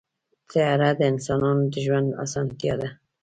طیاره د انسانانو د ژوند اسانتیا ده.